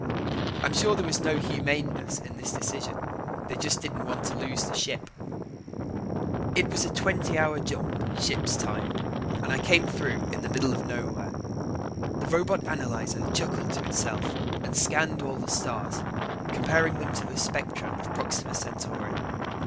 I'm sure there was no humaneness in this decision. They just didn't want to lose the ship. It was a twenty hour jump, ship's time, and I came through in the middle of nowhere. The robot analyzer chuckled to itself and scanned all the stars, comparing them to the spectra of Proxima Centauri.